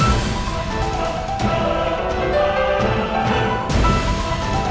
dia gak liat aku